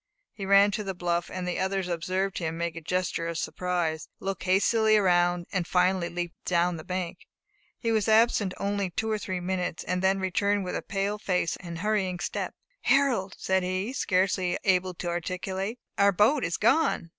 He ran to the bluff, and the others observed him make a gesture of surprise, look hastily around, and finally leap down the bank. He was absent only two or three minutes, and then returned with a pale face and hurrying step. "Harold!" said he, scarcely able to articulate, "OUR BOAT IS GONE!